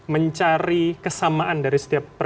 mencari kesamaan dari setiap